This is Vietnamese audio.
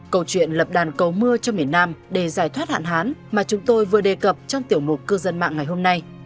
câu chuyện lập đàn cầu mưa cho miền nam để giải thoát hạn hán mà chúng tôi vừa đề cập trong tiểu mục cư dân mạng ngày hôm nay